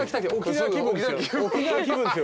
沖縄気分ですよ。